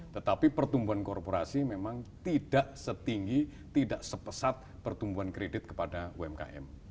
tetapi pertumbuhan korporasi memang tidak setinggi tidak sepesat pertumbuhan kredit kepada umkm